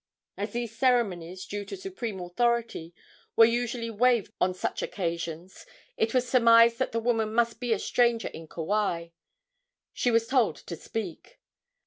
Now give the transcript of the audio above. As these ceremonies, due to supreme authority, were usually waived on such occasions, it was surmised that the woman must be a stranger in Kauai. She was told to speak.